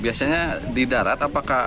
biasanya di darat apakah